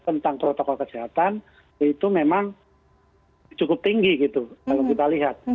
tentang protokol kesehatan itu memang cukup tinggi gitu kalau kita lihat